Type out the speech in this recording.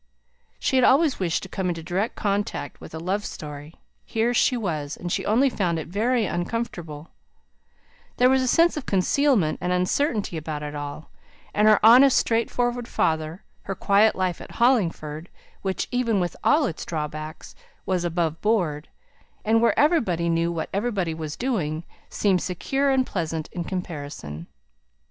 She had always wished to come into direct contact with a love story: here she had, and she only found it very uncomfortable; there was a sense of concealment and uncertainty about it all; and her honest straightforward father, her quiet life at Hollingford, which, even with all its drawbacks, was above board, and where everybody knew what everybody was doing, seemed secure and pleasant in comparison.